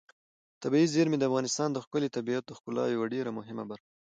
طبیعي زیرمې د افغانستان د ښكلي طبیعت د ښکلا یوه ډېره مهمه برخه ده.